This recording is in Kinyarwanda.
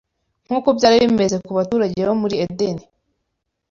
Nk’uko byari bimeze ku baturage bo muri Edeni